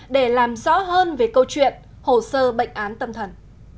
để làm rõ hơn về câu chuyện hồ sơ bệnh án tâm thần